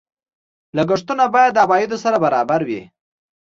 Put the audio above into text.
لګښتونه باید د عوایدو سره برابر وي.